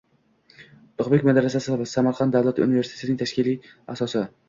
Ulugʻbek madrasasi - Samarqand Davlat universitetining tashkiliy asosi